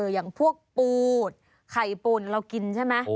อย่างพวกปูดไข่ปูนเรากินใช่ไหม